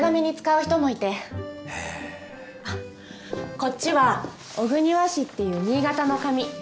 こっちは小国和紙っていう新潟の紙。